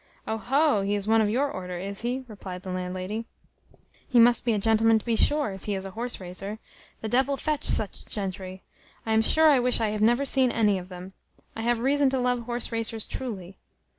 "Oho! he is one of your order, is he?" replies the landlady: "he must be a gentleman to be sure, if he is a horse racer. The devil fetch such gentry! I am sure I wish I had never seen any of them. I have reason to love horse racers truly!"